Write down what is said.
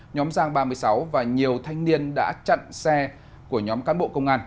nhóm giang ba mươi sáu và nhiều thanh niên đã chặn xe của nhóm cán bộ công an